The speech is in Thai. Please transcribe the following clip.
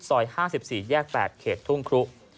ซอย๕๔แยก๘เขตทุ่งครู้